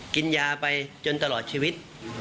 กินยาไปจนตลอดชีวิต